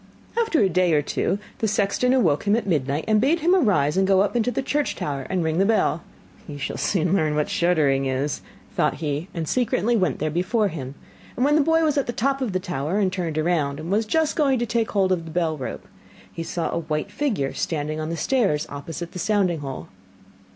After a day or two, the sexton awoke him at midnight, and bade him arise and go up into the church tower and ring the bell. 'You shall soon learn what shuddering is,' thought he, and secretly went there before him; and when the boy was at the top of the tower and turned round, and was just going to take hold of the bell rope, he saw a white figure standing on the stairs opposite the sounding hole.